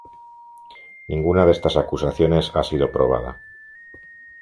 Ninguna de estas acusaciones ha sido probada.